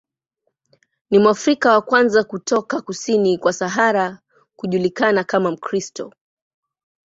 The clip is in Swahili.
Ni Mwafrika wa kwanza kutoka kusini kwa Sahara kujulikana kama Mkristo.